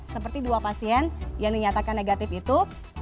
seperti dua pasien yang dinyatakan negatif itu